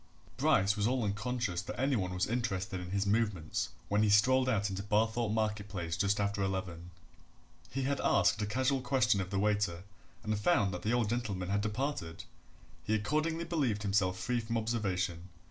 Bryce was all unconscious that any one was interested in his movements when he strolled out into Barthorpe market place just after eleven. He had asked a casual question of the waiter and found that the old gentleman had departed he accordingly believed himself free from observation.